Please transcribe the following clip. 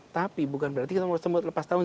tapi bukan berarti kita mau semut lepas tahun